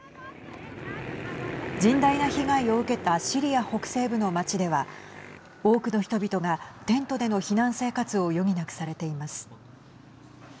甚大な被害を受けたシリア北西部の町では多くの人々がテントでの避難生活を余儀なくされています。